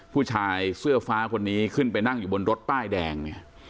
ผู้ชายเสื้อฟ้าคนนี้ขึ้นไปนั่งอยู่บนรถป้ายแดงเนี่ย